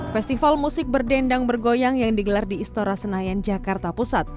festival musik berdendang bergoyang yang digelar di istora senayan jakarta pusat